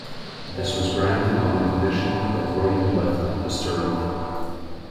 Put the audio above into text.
This was granted on the condition that Rome be left undisturbed.